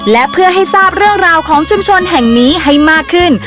และเพื่อให้ทราบเรื่องราวของชุมชนแห่งนี้ให้มากขึ้น